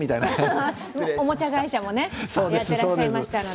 おもちゃ会社もやってらっしゃいましたので。